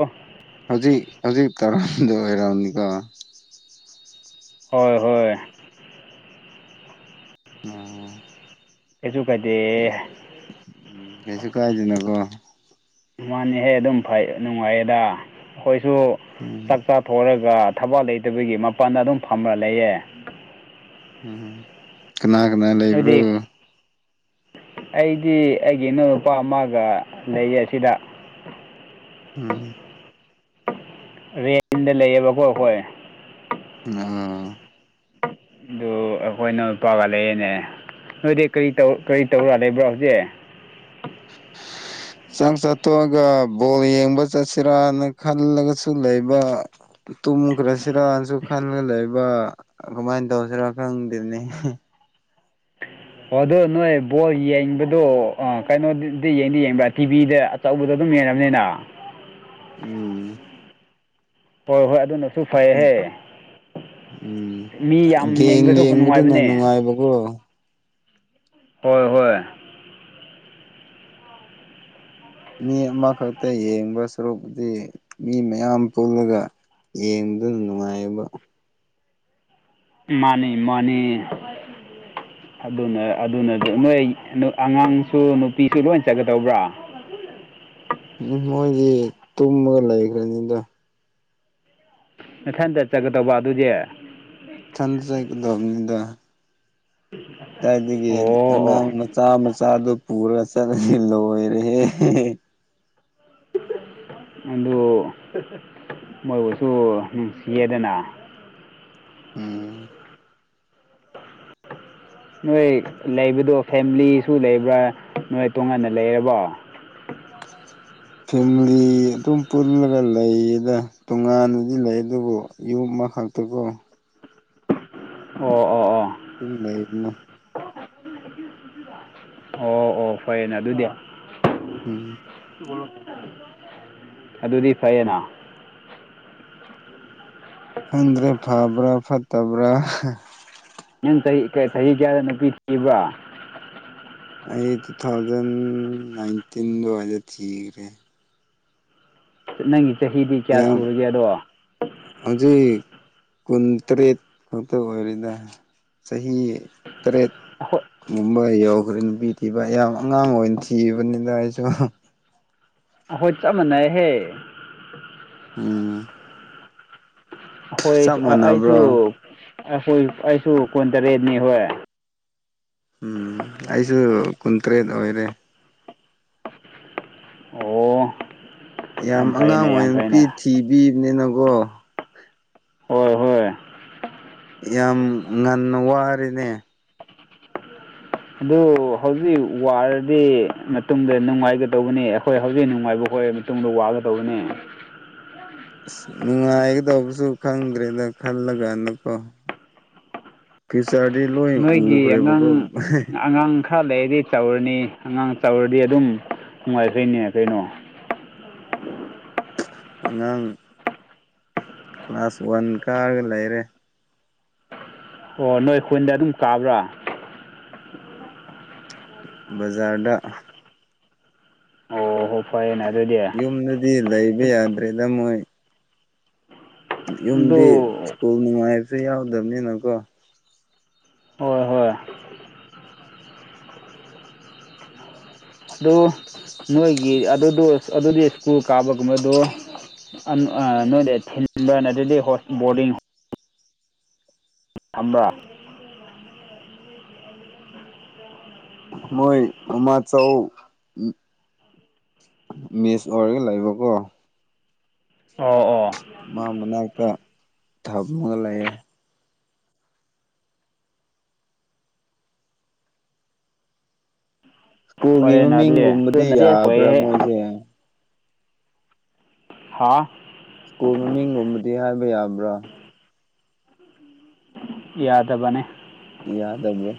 ꯑꯣ ꯍꯧꯖꯤꯛ ꯍꯧꯖꯤꯛ ꯇꯧꯔꯝꯗꯧ ꯑꯣꯏꯔꯝꯅꯤꯀꯣ ꯍꯣꯏ ꯍꯣꯏ [unintelligible] ꯀꯩꯁꯨ ꯀꯥꯏꯗꯦ ꯎꯝ ꯀꯩꯁꯨ ꯀꯥꯏꯗꯦꯅꯀꯣ ꯃꯥꯅꯤꯍꯦ ꯑꯗꯨꯝ ꯐꯩ ꯅꯨꯡꯉꯥꯏꯌꯦꯗ ꯑꯩꯈꯣꯏꯁꯨ ꯆꯥꯛ ꯎꯝ ꯆ ꯊꯣꯔꯒ ꯊꯕꯛ ꯂꯩꯇꯕꯒꯤ ꯃꯄꯥꯟꯗ ꯑꯗꯨꯝ ꯐꯝꯔꯥ ꯂꯩꯌꯦ ꯎꯝ ꯀꯅꯥ ꯀꯅꯥ ꯂꯩꯕ꯭ꯔꯣ ꯅꯣꯏꯗꯤ ꯑꯩꯗꯤ ꯑꯩꯒꯤ ꯏꯅꯥꯎ ꯅꯨꯨꯄꯥ ꯑꯃꯒ ꯂꯩꯌꯦ ꯑꯁꯤꯗ ꯎꯝ ꯔꯦꯟꯗ ꯂꯩꯌꯦꯕꯀꯣ ꯑꯩꯈꯣꯏ [unintelligible] ꯑꯗꯨ ꯑꯩꯈꯣꯏꯅ ꯂꯨꯄꯥꯒ ꯂꯩꯌꯦꯅꯦ ꯅꯣꯏꯗꯤ ꯀꯔꯤ ꯇꯧ ꯀꯔꯤ ꯇꯧꯔ ꯂꯩꯕ꯭ꯔꯣ ꯍꯧꯖꯤꯛ [inaudible] ꯆꯪ ꯆꯥꯇꯣꯛꯑꯒ ꯕꯣꯜ ꯌꯦꯡꯕ ꯆꯠꯁꯤꯔꯥꯅ ꯈꯜꯂꯒꯁꯨ ꯂꯩꯕ ꯇꯨꯝꯈ꯭ꯔꯁꯤꯔꯅꯁꯨ ꯈꯜꯂ ꯂꯩꯕ ꯀꯃꯥꯏꯟ ꯇꯧꯁꯤꯔꯥ ꯈꯪꯗꯦꯅꯦ ꯑꯣ ꯑꯗꯣ ꯅꯣꯏ ꯕꯣꯜ ꯌꯦꯡꯕꯗꯣ ꯑ ꯀꯩꯅꯣꯗꯗꯤ ꯌꯦꯡꯗꯤ ꯌꯦꯡꯕ꯭ꯔꯥ ꯇꯤꯚꯤꯗ ꯇꯧꯕꯗꯣ ꯑꯗꯨꯝ ꯌꯦꯡꯔꯝꯅꯤꯅ ꯎꯝ ꯍꯣꯏ ꯍꯣꯏ ꯑꯗꯨꯅꯁꯨ ꯐꯩꯍꯦ ꯎꯝ ꯃꯤ ꯌꯥꯝ ꯒꯦꯡ ꯌꯦꯡꯕꯁꯨ ꯌꯦꯡꯕꯗꯨꯅ ꯅꯨꯡꯉꯥꯏꯕꯅꯦ ꯅꯨꯡꯉꯥꯏꯕꯀꯣ ꯍꯣꯏ ꯍꯣꯏ ꯃꯤ ꯑꯃꯈꯛꯇ ꯌꯦꯡꯕ ꯁꯔꯨꯛꯇꯤ ꯃꯤ ꯃꯌꯥꯝ ꯄꯨꯜꯂꯒ ꯌꯦꯡꯕꯗꯨꯅ ꯅꯨꯡꯉꯥꯏꯕ ꯃꯥꯅꯤ ꯃꯅꯤ ꯑꯗꯨꯅ ꯑꯗꯨꯅꯗꯤ ꯅꯣꯏ ꯑꯉꯥꯡꯁꯨ ꯅꯨꯄꯤꯁꯨ ꯂꯣꯏ ꯆꯠꯀꯗꯧꯕ꯭ꯔꯥ ꯎꯝ ꯃꯣꯏꯗꯤ ꯇꯨꯝꯃꯒ ꯂꯩꯈ꯭ꯔꯅꯤꯗ ꯃꯊꯟꯇꯠ ꯆꯠꯒꯗꯧꯕ ꯑꯗꯨꯗꯤ ꯏꯊꯟꯗ ꯆꯥꯏꯀꯗꯕꯅꯤꯗ ꯀꯗꯥꯏꯗꯒꯤ ꯑꯉꯥꯡ ꯑꯣ ꯆꯥ ꯃꯆꯥꯗꯨ ꯄꯨꯔ ꯆꯠꯂꯁꯤ ꯂꯣꯏꯔꯦ ꯑꯗꯨ ꯃꯣꯏꯕꯨꯁꯨ ꯅꯨꯡꯁꯤꯌꯦꯗꯅ ꯎꯝ ꯅꯣꯏ ꯂꯩꯕꯗꯣ ꯐꯦꯃꯤꯂꯤꯁꯨ ꯂꯩꯕ꯭ꯔꯥ ꯅꯣꯏ ꯇꯣꯉꯥꯟꯅ ꯂꯩꯔꯕꯣ ꯐꯦꯃꯤꯂꯤ ꯑꯗꯨꯝ ꯄꯨꯜꯂꯒ ꯂꯩꯌꯦꯗ ꯇꯣꯉꯥꯟꯅꯗꯤ ꯂꯩ ꯑꯗꯨꯕꯨ ꯌꯨꯝ ꯑꯃꯈꯛ ꯠꯇꯒꯣ ꯑꯣ ꯑꯣ ꯑꯣ ꯄꯨꯨꯝ ꯂꯩ ꯏꯅ ꯎꯝ ꯑꯣ ꯑꯣ ꯐꯔꯦꯅꯦ ꯑꯗꯨꯗꯤ ꯎꯝ ꯑꯗꯨꯗꯤ ꯐꯩꯌꯦꯅ ꯈꯪꯗ꯭ꯔꯦ ꯐꯕ꯭ꯔꯥ ꯐꯠꯇꯕ꯭ꯔꯥ ꯅꯪ ꯆꯍꯤ ꯆꯍꯤ ꯀꯌꯥꯗ ꯅꯨꯄꯤ ꯊꯤꯕ꯭ꯔꯣ ꯑꯩ ꯇꯨ ꯊꯥꯎꯖꯟ ꯅꯥꯏꯟꯇꯤꯟ ꯑꯗꯨꯋꯥꯏꯗ ꯊꯤꯈ꯭ꯔꯦ ꯅꯪꯒꯤ ꯆꯍꯤꯗꯤ ꯀꯌꯥ ꯌꯥꯝ ꯁꯨꯔꯒꯦꯗꯣ ꯍꯧꯖꯤꯛ ꯀꯨꯟꯇꯔꯦꯠ ꯈꯛꯇ ꯑꯣꯏꯔꯤꯗ ꯆꯍꯤ ꯇꯔꯦꯠ ꯍꯣꯏ ꯃꯨꯝꯕꯥꯏ ꯌꯧꯈ꯭ꯔꯦ ꯅꯨꯄꯤ ꯊꯤꯕ ꯌꯥꯝ ꯑꯉꯥꯡ ꯑꯣꯏꯅ ꯊꯤꯕꯅꯤꯗ ꯑꯩꯁꯨ ꯑꯩꯈꯣꯏ ꯆꯞ ꯃꯥꯟꯅꯩꯍꯦ ꯎꯝ ꯍꯈꯣꯏ ꯆꯞ ꯑꯩꯁꯨ ꯃꯥꯟꯅꯕ꯭ꯔꯣ ꯑꯩꯈꯣꯏ ꯑꯩꯁꯨ ꯀꯨꯟꯇꯔꯦꯠꯅꯤ ꯍꯣꯏ ꯎꯝ ꯑꯩꯁꯨ ꯀꯨꯟꯇꯔꯦꯠ ꯑꯣꯏꯔꯦ ꯑꯣ ꯌꯥꯝ ꯑꯉꯥꯡ ꯐꯩꯅꯦ ꯌꯥꯝ ꯑꯣꯏꯅ ꯅꯨꯄꯤ ꯐꯩꯅꯦ ꯊꯤꯕꯤꯕꯅꯤꯅꯀꯣ ꯍꯣꯏ ꯍꯣꯏ ꯌꯥꯝ ꯉꯟꯅ ꯋꯥꯔꯅꯦ ꯑꯗꯨ ꯍꯧꯖꯤꯛ ꯋꯥꯔꯗꯤ ꯃꯇꯨꯡꯗ ꯅꯨꯡꯉꯥꯏꯒꯗꯧꯕꯅꯤ ꯑꯩꯈꯣꯏ ꯍꯧꯖꯤꯛ ꯅꯨꯡꯉꯥꯏꯕ ꯍ ꯇꯨꯡꯗ ꯋꯥꯒꯗꯧꯕꯅꯦ ꯑꯁ ꯅꯨꯡꯉꯥꯏꯒꯗꯧꯕꯁꯨ ꯈꯪꯗ꯭ꯔꯦꯗ ꯈꯜꯂ ꯀꯥꯟꯗꯀꯣ ꯀꯤꯁꯥꯗꯤ ꯂꯣꯏ ꯎꯈꯔꯕꯀꯣ ꯑꯥ ꯂꯩꯔꯗꯤ ꯆꯥꯎꯧꯔꯅꯤ ꯑꯉꯥꯡ ꯆꯥꯎꯧꯔꯗꯤ ꯑꯗꯨꯝ ꯅꯨꯡꯉꯥꯏꯈꯩꯅꯦ ꯀꯩꯅꯣ ꯑꯉꯥꯡ ꯀ꯭ꯂꯥꯁ ꯋꯥꯟ ꯀꯥꯔꯒ ꯂꯩꯔꯦ ꯑꯣ ꯅꯣꯏ ꯑꯩꯈꯣꯏꯗ ꯑꯗꯨꯝ ꯀꯥꯕ꯭ꯔꯥ ꯕꯖꯥꯔꯗ ꯄ ꯑꯗꯨꯗꯤ ꯌꯨꯝꯗꯗꯤ ꯂꯩꯕ ꯌꯥꯗ꯭ꯔꯦꯗ ꯃꯣꯏ ꯑꯗꯨ ꯌꯨꯝꯗꯤ ꯁ꯭ꯀꯨꯜ ꯅꯨꯡꯉꯥꯏꯕꯁꯨ ꯌꯥꯎꯗꯕꯅꯤꯅꯀꯣ ꯍꯣꯏ ꯍꯣꯏ ꯑꯗꯨ ꯅꯣꯏꯒꯤ ꯑꯗꯨꯗ ꯑꯗꯨꯗꯤ ꯀꯀꯨ ꯀꯥꯕꯒꯨꯝꯕꯗꯨ ꯅꯣꯏꯗ ꯊꯤꯟꯕ ꯅꯠꯇ꯭ꯔꯗꯤ ꯕꯣꯔꯗꯤꯡ ꯐꯝ꯭ꯔ ꯃꯣꯏ ꯃꯃꯥ ꯆꯧ ꯃꯤꯁ ꯑꯣꯏꯔꯒ ꯂꯩꯕꯀꯣ ꯑꯣ ꯑꯣ ꯃꯥ ꯃꯅꯥꯛꯇ ꯊꯝꯃꯒ ꯂꯩꯌꯦ ꯁ꯭ꯀꯨꯜꯒꯤ ꯐꯔꯦꯅ ꯑꯗꯨꯗꯤ ꯃꯃꯤꯡꯒꯨꯝꯕꯗꯤ ꯑꯗꯨꯅ ꯕꯦꯁ ꯌꯥꯕ꯭ꯔꯥ ꯑꯣꯏꯍꯦ ꯃꯣꯏꯁꯦ ꯍꯥ ꯏꯁ꯭ꯀꯣꯜ ꯃꯃꯤꯡꯒꯨꯝꯕꯗꯤ ꯍꯥꯏꯕ ꯌꯥꯕ꯭ꯔꯥ ꯌꯥꯗꯕꯅꯦ ꯌꯥꯗꯕ꯭ꯔꯣ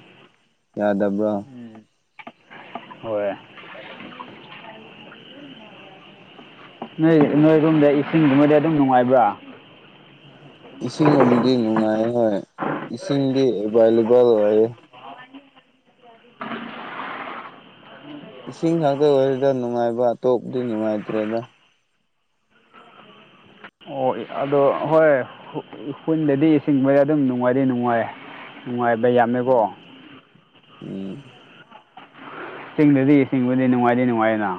ꯌꯥꯗꯕ꯭ꯔꯣ ꯎꯝ ꯍꯣꯏ ꯅꯣꯏ ꯅꯣꯏꯔꫭꯝꯗ ꯏꯁꯤꯡꯗꯨꯃꯗꯤ ꯑꯗꯨꯝ ꯅꯨꯡꯉꯥꯏꯕ꯭ꯔꯥ ꯏꯁꯤꯡꯒꯨꯝꯗꯤ ꯅꯨꯡꯉꯥꯏ ꯍꯣꯏ ꯏꯁꯤꯡꯗꯤ ꯑꯦꯚꯏꯂꯦꯕꯜ ꯑꯣꯏꯌꯦ ꯏꯁꯤꯡ ꯈꯛꯇ ꯑꯣꯏꯔꯦꯗ ꯅꯨꯡꯉꯥꯏꯕ ꯑꯇꯣꯞꯄꯗꯤ ꯅꯨꯡꯉꯥꯏꯇ꯭ꯔꯦꯗ ꯑꯣ ꯑꯗꯣ ꯍꯣꯏ ꯈꯨꯟꯗꯗꯤ ꯏꯁꯤꯡꯕꯗ ꯑꯗꯨꯝ ꯅꯨꯡꯉꯥꯏꯗꯤ ꯅꯨꯡꯉꯥꯏ ꯅꯨꯡꯉꯥꯏꯕ ꯌꯥꯝꯃꯦꯀꯣ ꯎꯝ ꯎꯝ ꯆꯤꯡꯗꯗꯤ ꯁꯤꯡꯕꯨꯗꯤ ꯅꯨꯡꯉꯥꯏꯗꯤ ꯅꯨꯡꯉꯥꯏꯗ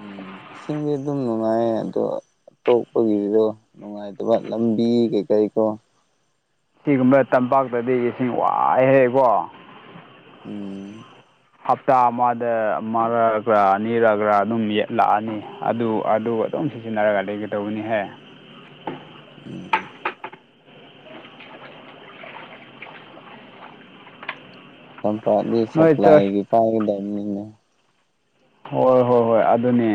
ꯎꯝ ꯏꯁꯤꯡꯗꯤ ꯑꯗꯨꯝ ꯅꯨꯡꯉꯥꯏꯌꯦ ꯑꯗꯣ ꯑꯇꯣꯛꯄꯒꯤꯗꯣ ꯅꯨꯡꯉꯥꯏꯇꯕ ꯂꯝꯕꯤ ꯀꯩ ꯀꯔꯤ ꯀꯣ ꯁꯤꯒꯨꯝꯕ ꯇꯝꯄꯥꯛꯇꯗꯤ ꯏꯁꯤꯡ ꯋꯥꯏ ꯍꯥꯏꯍꯦ ꯏꯕꫭ ꯎꯝ ꯍꯞꯇꯥ ꯑꯃꯗ ꯃꯪꯉꯥꯔꯛꯂ ꯑꯅꯤꯔꯛꯒ꯭ꯔꯥ ꯑꯗꯨꯝ ꯌꯦꯠꯂꯛꯑꯅꯤ ꯑꯗꯨ ꯑꯗꯨ ꯑꯗꯨꯝ ꯁꯤꯖꯤꯟꯅꯔꯒ ꯂꯩꯒꯗꯧꯕꯅꯤꯍꯦ ꯎꯝ ꯇꯝꯄꯥꯛꯗꯤ ꯅꯣꯏ ꯆꯔꯆ ꯁꯞꯂꯥꯏꯒꯤ ꯄꯥꯏꯒꯗꯕꯅꯤꯅꯦ ꯍꯣꯏ ꯍꯣꯏ ꯍꯣꯏ ꯑꯗꯨꯅꯦ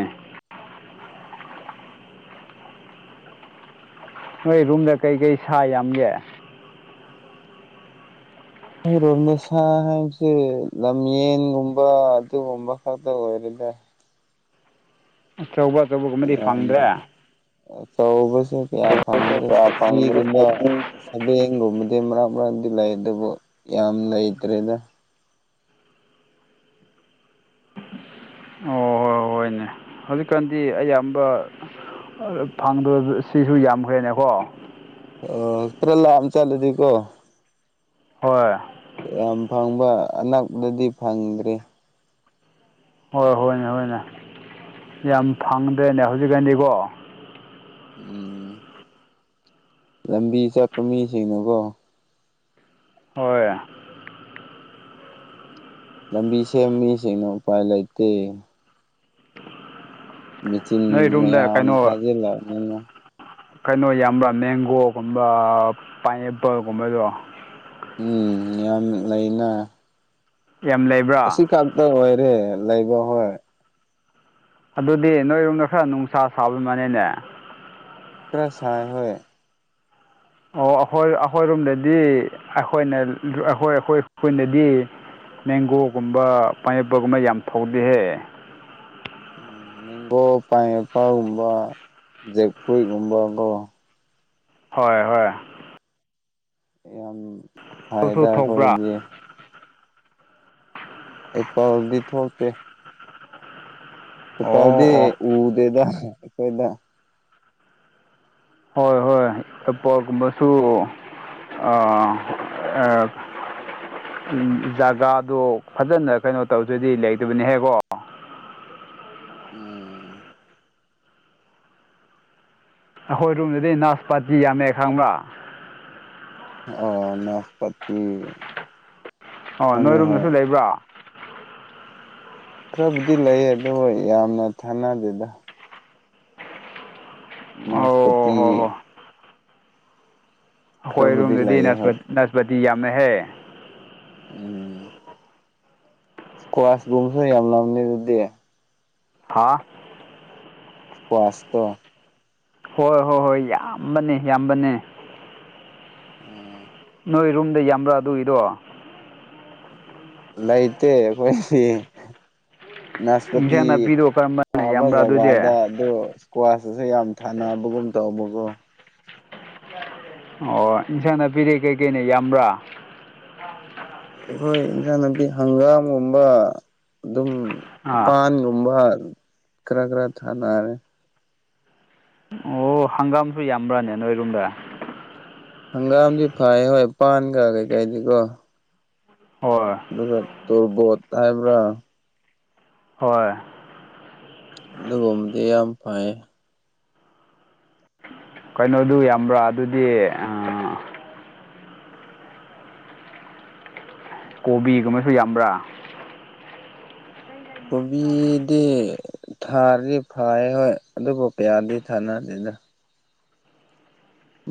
ꯅꯣꯏ ꯔꯨꯝꯗ ꯀꯩꯀꯩ ꯁꯥ ꯌꯥꯝꯒꯦ ꯈꯪꯗꯦꯅꯦ ꯁꯥ ꯍꯥꯏꯁꯤ ꯂꯝꯌꯦꯟꯒꯨꯝꯕ ꯑꯗꯨꯒꯨꯝꯕ ꯈꯛꯇ ꯑꯣꯏꯔꯦꯅꯦ ꯑꯆꯧꯕ ꯑꯆꯧꯕꯒꯨꯝꯕꯗꯤ ꯐꯪꯗ꯭ꯔꯦ ꯑꯆꯧꯁꯦ ꯀꯌꯥ ꯐꯪꯗ꯭ꯔꯦ ꯀꯌꯥ ꯐꯪꯗ꯭ꯔꯦ ꯁꯖꯤꯒꯨꯝꯕ ꯍꯃꯦꯡꯒꯨꯝꯕꯗꯤ ꯃꯔꯛ ꯃꯔꯛꯗꯤ ꯂꯩ ꯑꯗꯨꯕꯨ ꯌꯥꯝ ꯂꯩꯇ꯭ꯔꯦꯗ ꯑꯣ ꯍꯣꯏ ꯍꯣꯏꯅꯦ ꯍꯧꯖꯤꯛꯀꯥꯟꯗꯤ ꯑꯌꯥꯝꯕ ꯐꯪꯗꯔꯁꯨ ꯌꯥꯝꯈ꯭ꯔꯦꯅꯦꯀꯣ ꯑꯣ ꯈꯔ ꯂꯥꯞꯅ ꯆꯠꯂꯗꯤꯀꯣ ꯍꯣꯏ ꯌꯥꯝ ꯐꯪꯕ ꯑꯅꯛꯄꯗꯗꯤ ꯐꯪꯗ꯭꯭ꯔꯦ ꯍꯣꯏ ꯍꯣꯏꯅꯦ ꯍꯣꯏꯅꯦ ꯌꯥꯝ ꯐꯪꯗ꯭ꯔꯦꯅꯦ ꯍꯧꯖꯤꯛꯀꯥꯟꯗꯤꯀꯣ ꯎꯝ ꯂꯝꯕꯤ ꯆꯠꯄ ꯃꯤꯁꯤꯡꯅꯀꯣ ꯍꯣꯏ ꯂꯝꯕꯤ ꯁꯦꯝ ꯃꯤꯁꯤꯡꯅ ꯎꯄꯥꯏ ꯂꯩꯇꯦ ꯃꯦꯆꯤꯟ ꯅꯣꯏ ꯔꯨꯝꯗ ꯃꯌꯥꯝ ꯀꯩꯅꯣ ꯊꯥꯖꯤꯜꯂꯝꯅꯤꯅ ꯀꯩꯅꯣ ꯌꯥꯝꯕ꯭ꯔꯥ ꯃꯦꯡꯒꯣꯒꯨꯝꯕ ꯄꯥꯏꯅꯦꯄꯜꯒꯨꯝꯕꯗꯣ ꯎꯝ ꯌꯥꯝꯅ ꯂꯩꯅ ꯌꯥꯝ ꯂꯩ ꯑꯁꯤ ꯈꯛꯇ ꯑꯣꯏꯔꯦ ꯂꯩꯕ ꯍꯣꯏ ꯑꯗꯨꯗꯤ ꯅꯣꯏꯔꯣꯝꯗ ꯈꯔ ꯅꯨꯡꯁꯥ ꯁꯥꯕꯩ ꯃꯥꯅꯦꯅꯦ ꯈꯔ ꯁꯥꯏ ꯍꯣꯏ ꯑꯣ ꯑꯩꯈꯣꯏ ꯑꯩꯈꯣꯏꯔꯣꯝꯗꯗꯤ ꯑꯩꯈꯣꯏꯅ ꯑꯩꯈꯣꯏ ꯑꯩꯈꫭꯏ ꯑꯩꯈꯣꯏꯅꯗꯤ ꯃꯦꯡꯒꯣꯒꯨꯝꯕ ꯄꯥꯏꯅꯦꯄꯜꯒꯨꯝꯕ ꯌꯥꯝ ꯊꯧꯗꯤꯍꯦ ꯎꯝ ꯃꯦꯡꯒꯣ ꯄꯥꯏꯅꯦꯄꯜꯒꯨꯝꯕ ꯖꯦꯛꯀꯨꯏꯒꯨꯝꯕꯀꯣ ꯍꯣꯏ ꯍꯣꯏ ꯌꯥꯝ ꯐꯩꯗ ꯑꯗꯨꯁꯨ ꯊꯣꯛꯄ꯭ꯔꯥ ꯑꯩꯈꯣꯏꯗꯤ ꯑꯩ ꯄꯥꯎꯗꯤ ꯊꯣꯛꯇꯦ ꯑꯣ ꯏꯐꯥꯜꯗꯤ ꯑꯣ ꯎꯗꯦꯗ ꯑꯩꯈꯣꯏꯗ ꯍꯣꯏ ꯍꯣꯏ ꯑꯄꯣꯒꯨꯝꯕꯁꯨ ꯑ [unintelligible] ꯎꯝ ꯖꯒꯥꯗꯣ ꯐꯖꯅ ꯀꯩꯅꯣ ꯇꯧꯗꯣꯏꯗꯤ ꯂꯩꯇꯕꯅꯦꯍꯦꯛꯀꯣ ꯎꯝ ꯑꯩꯈꯣꯏ ꯔꯨꯝꯗꯗꯤ ꯅꯥꯁ ꯄꯥꯇꯤ ꯌꯥꯝꯃꯦ ꯈꯪꯕ꯭ꯔꯥ ꯑꯣ ꯅꯥꯆ ꯄꯇꯤ ꯑꯣ ꯅꯣꯏꯔꯨꯝꯗꯁꯨ ꯂꯩꯕ꯭ꯔꯥ ꯈꯔꯕꯨꯗꯤ ꯂꯩ ꯑꯗꯨ ꯌꯥꯝꯅ ꯊꯥꯅꯗꯦꯗ ꯑꯣ ꯍꯣ ꯅꯥꯁꯄꯇꯤ ꯍꯣꯐꯕ ꯑꯩꯈꯣꯏ ꯈꯔꯕꯨꯗꯤ ꯔꯨꯝꯗꯗꯤ ꯂꯩꯌꯦ ꯍꯣꯏ ꯅꯥꯁꯄꯟ ꯅꯥꯁꯄꯇꯤ ꯌꯥꯝꯃꯦꯍꯦ ꯎꯝ ꯀ꯭ꯋꯥꯁꯀꯨꯝꯕꯁꯨ ꯌꯥꯝ ꯂꯝꯅꯤ ꯑꯗꯨꯗꯤ ꯍꯥꯥ ꯀꯋꯥꯁꯇꯣ ꯍꯣꯏ ꯍꯣꯏ ꯍꯣꯏ ꯌꯥꯝꯕꯅꯦ ꯌꯥꯝꯕꯅꯦ ꯎꯝ ꯅꯣꯏ ꯔꯨꯝꯗ ꯌꯥꯝꯕ꯭ꯔꯥ ꯑꯗꯨꯒꯤꯗꯣ ꯂꯩꯇꯦ ꯑꯩꯈꯣꯏꯗꯤ ꯅꯥꯁꯄꯇꯤ ꯏꯟꯁꯥꯡ ꯅꯥꯄꯤꯗꯣ ꯀꯔꯝꯕꯅ ꯊꯥꯕ ꯌꯥꯝꯕ꯭ꯔꯥ ꯑꯗꯨꯗꯤ ꯖꯒꯥꯗ‌ ꯑꯗꯣ ꯏꯁꯀ꯭ꯋꯥꯁꯇꯁꯨ ꯌꯥꯝ ꯊꯥꯅꯕꯒꯨꯝ ꯇꯧꯕꯀꯣ ꯑꯣ ꯏꯟꯁꯥꯡ ꯅꯥꯄꯤꯗꯤ ꯀꯩꯀꯩꯅ ꯌꯥꯝꯕ꯭ꯔꯥ [unintelligible] ꯑꯩꯈꯣꯏ ꯏꯟꯁꯥꯡ ꯅꯥꯄꯤ ꯍꯪꯒꯥꯝꯒꯨꯝꯕ ꯗꯨꯝ ꯑꯥ ꯄꯥꯟꯒꯨꯝꯕ ꯈꯔ ꯈꯔ ꯊꯥꯅꯔꯦ ꯑꯣ ꯍꯪꯒꯥꯝꯁꯨ ꯌꯥꯝꯕ꯭ꯔꯅꯦ ꯅꯣꯏꯔꯣꯝꯗ ꯍꯪꯒꯥꯝꯗꯤ ꯐꯩ ꯍꯣꯏ ꯄꯥꯟꯒ ꯀꯩꯀꯩꯗꯤꯀꯣ ꯍꯣꯏ ꯑꯗꯨꯒ ꯇꯣꯔꯕꯣꯠ ꯍꯥꯏꯕ꯭ꯔꯥ ꯍꯣꯏ ꯗꯨꯒꯨꯝꯕꯗꯤ ꯌꯥꯝ ꯐꯩꯌꯦ ꯀꯩꯅꯣꯗꯨ ꯌꯥꯝꯕ꯭ꯔꯥ ꯑꯗꯨꯗꯤ ꯀꯣꯕꯤꯒꯨꯝꯕꯁꯨ ꯌꯥꯝꯕ꯭ꯔꯥ ꯀꯣꯕꯤꯗꯤ ꯊꯥꯔꯗꯤ ꯐꯩ ꯍꯣꯏ ꯑꯗꯨꯕꯨ ꯀꯌꯥꯗꯤ ꯊꯥꯅꯗꯦꯗ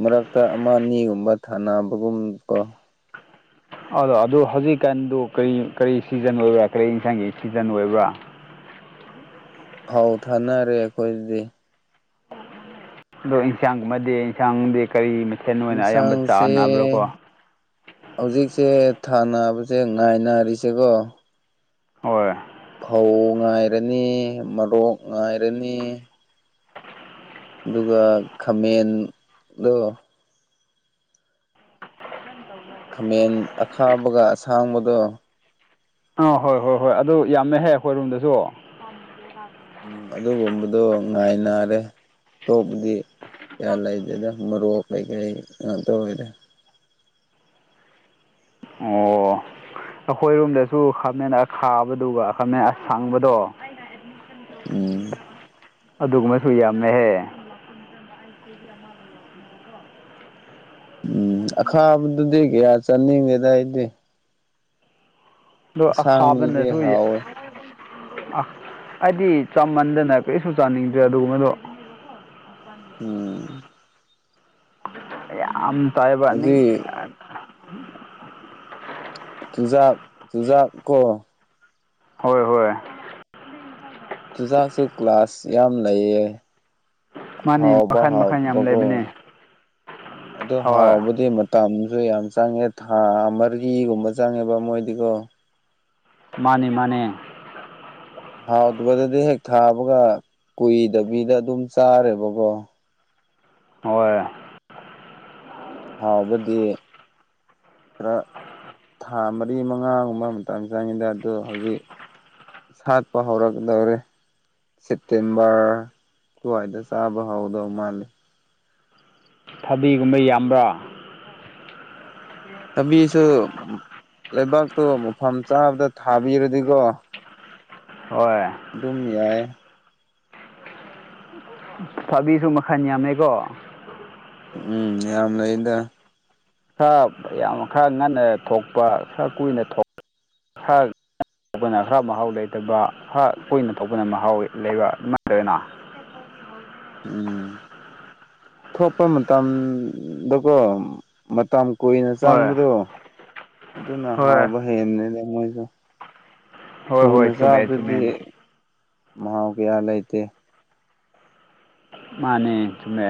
ꯃꯔꯛꯇ ꯑꯃ ꯑꯅꯤꯒꯨꯝꯕ ꯊꯥꯅꯕꯒꯨꯝ ꯀꯣ ꯑꯗꯣ ꯑꯗꯨ ꯍꯧꯖꯤꯛꯀꯥꯟꯗꯨ ꯀꯔꯤ ꯀꯔꯤ ꯁꯤꯖꯟ ꯑꯣꯏꯕ꯭ꯔꯥ ꯀꯔꯤ ꯏꯟꯁꯥꯡꯒꯤ ꯁꯤꯖꯟ ꯑꯣꯏꯕ꯭ꯔꯥ ꯐꯧ ꯊꯥꯅꯔꯦ ꯑꯩꯈꯣꯏꯗꯗꯤ ꯑꯗꯣ ꯏꯟꯁꯥꯡꯒꯨꯝꯃꯗꯤ ꯏꯟꯁꯥꯡꯗꯤ ꯀꯔꯤ ꯃꯊꯦꯟ ꯑꯣꯏꯅ ꯑꯌꯥꯝꯕ ꯏꯟꯁꯥꯡꯁꯦ ꯆꯥꯅꯕ꯭ꯔꯣ ꯀꯣ ꯍꯧꯖꯤꯛꯁꯦ ꯊꯥꯅꯕꯁꯦ ꯉꯥꯏꯅꯔꯤꯁꯦꯀꯣ ꯍꯣꯏ ꯐꯧ ꯉꯥꯏꯔꯅꯤ ꯃꯔꯣꯛ ꯉꯥꯏꯔꯅꯤ ꯑꯗꯨꯒ ꯈꯥꯃꯦꯟꯗꯣ ꯈꯥꯃꯦꯟ ꯑꯈꯥꯕꯒ ꯑꯁꯥꯡꯕꯗꯣ ꯑꯥ ꯍꯣꯏ ꯍꯣꯏ ꯍꯣꯏ ꯑꯗꯨ ꯌꯥꯝꯃꯦꯍꯦ ꯑꯩꯈꯣꯏ ꯔꯨꯝꯗꯁꯨ [unintelligible] ꯎꯝ ꯑꯗꯨꯒꯨꯝꯕꯗꯣ ꯉꯥꯏꯅꯔꯦ ꯇꯣꯞꯄꯗꯤ ꯀꯌꯥ ꯂꯩꯗꯦꯗ ꯃꯔꯣꯛ ꯀꯩꯀꯩ ꯉꯥꯛꯇ ꯑꯣꯏꯔꯦ ꯑꯣ ꯑꯈꯣꯏꯔꯣꯝꯗꯁꯨ ꯈꯥꯃꯦꯟ ꯑꯈꯥꯕꯗꯨꯒ ꯈꯥꯃꯦꯟ ꯑꯁꯪꯕꯗꯣ ꯎꯝ ꯑꯗꯨꯒꯨꯝꯕꯁꯨ ꯌꯥꯝꯃꯦꯍꯦ ꯎꯝ ꯑꯈꯥꯕꯗꯨꯗꯤ ꯀꯌꯥ ꯆꯥꯅꯤꯡꯗꯦꯗ ꯑꯩꯗꯤ ꯑꯗꯣ ꯑꯁꯥꯡꯕꯗꯨꯗꯤ ꯑꯈꯥꯕꯅꯁꯨ ꯌꯥ ꯍꯥꯎꯋꯦ ꯑ ꯑꯩꯗꯤ ꯆꯃꯟꯗꯅ ꯀꯩꯁꯨ ꯆꯥꯅꯤꯡꯗ꯭ꯔꯦ ꯑꯗꯨꯒꯨꯝꯕꯗꯣ ꯎꯝ ꯌꯥꯝ ꯇꯥꯏꯕꯅꯤ ꯍꯧꯖꯤꯛ ꯆꯨꯖꯥꯛ ꯆꯨꯖꯥꯛ ꯀꯣ ꯍꯣꯏ ꯍꯣꯏ ꯆꯨꯖꯥꯛꯁꯨ ꯀ꯭ꯂꯥꯁ ꯌꯥꯝ ꯂꯩꯌꯦ ꯃꯥꯅꯤ ꯍꯥꯎꯕ ꯃꯈꯟ ꯃꯈꯟ ꯌꯥꯝ ꯍꯥꯎꯇꯕꯀꯣ ꯂꯩꯕꯅꯦ ꯑꯗꯨ ꯍꯣꯏ ꯍꯥꯎꯕꯗꯤ ꯇꯝꯁꯨ ꯌꯥꯝ ꯆꯪꯉꯦ ꯊꯥ ꯃꯔꯤꯒꯨꯝꯕ ꯆꯪꯉꯦꯕ ꯃꯣꯏꯗꯤꯀꯣ ꯃꯥꯅꯦ ꯃꯥꯅꯦ ꯍꯥꯎꯇꯥꯕꯗꯨꯗꯤ ꯍꯦꯛ ꯊꯥꯕꯒ ꯀꯨꯏꯗꯕꯤꯗ ꯑꯗꯨꯝ ꯆꯥꯔꯦꯕꯀꯣ ꯍꯣꯏ ꯍꯥꯎꯕꯗꯤ ꯈꯔ ꯊꯥ ꯃꯔꯤ ꯃꯉꯥꯒꯨꯝꯕ ꯃꯇꯝ ꯆꯪꯉꯤꯗ ꯑꯗꯣ ꯍꯧꯖꯤꯛ ꯁꯥꯠꯄ ꯍꯧꯔꯛꯗꯧꯔꯦ ꯁꯦꯞꯇꯦꯝꯕꯔ ꯑꯗꯨꯋꯥꯏꯗ ꯆꯥꯕ ꯍꯧꯗꯧ ꯃꯥꯂꯦ ꯊꯕꯤꯒꯨꯝꯕ ꯌꯥꯝꯕ꯭ꯔꯥ ꯊꯥꯕꯤꯁꯨ ꯂꯩꯕꯥꯛꯇꯣ ꯃꯐꯝ ꯆꯥꯕꯗ ꯊꯥꯕꯤꯔꯗꯤꯀꯣ ꯍꯣꯏ ꯗꯨꯝ ꯌꯥꯏ [unintelligible] ꯊꯕꯤꯁꯨ ꯃꯈꯟ ꯌꯥꯝꯃꯦꯀꯣ [unintelligible] ꯎꯝ ꯌꯥꯝ ꯂꯩꯗ ꯈꯔ ꯌꯥꯝ ꯈꯔ ꯉꯟꯅ ꯊꯣꯛꯄ ꯈꯔ ꯀꯨꯏꯅ ꯊꯣꯛꯄ ꯊꯣꯛꯄꯅ ꯈꯔ ꯃꯍꯥꯎ ꯂꯩꯇꯕ ꯈꯔ ꯀꯨꯏꯅ ꯊꯣꯛꯄꯅ ꯃꯍꯥꯎ ꯂꯩꯕ ꯑꯗꯨꯃꯥꯏ ꯇꯧꯑꯦꯅ ꯎꯝ ꯊꯣꯛꯄ ꯃꯇꯝꯗꯀꯣ ꯃꯇꯝ ꯀꯨꯏꯅ ꯍꯣꯏ ꯆꯪꯕꯗꯣ ꯑꯗꯨꯅ ꯍꯣꯏ ꯍꯥꯎꯕ ꯍꯦꯟꯕꯅꯤꯗ ꯃꯣꯏꯁꯨ ꯍꯣꯏ ꯊꯨꯅ ꯍꯣꯏ ꯆꯨꯝꯃꯦ ꯆꯨꯝꯃꯦ ꯆꯥꯕꯗꯨꯗꯤ ꯃꯍꯥꯎ ꯀꯌꯥ ꯂꯩꯇꯦ ꯃꯥꯅꯦ ꯆꯨꯃꯦ